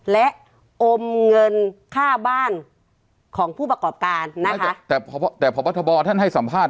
และอมเงินค่าบ้านของผู้ประกอบการนะแต่พบทบท่านให้สัมภาษณ